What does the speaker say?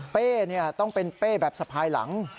เป้ต้องเป็นเป้แบบสะพายหลัง